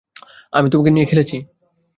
আমি তোমাকে নিয়ে খেলেছি।